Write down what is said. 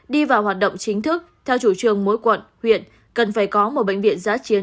đi vào hoạt động chính thức theo chủ trương mỗi quận huyện cần phải có một bệnh viện giá chiến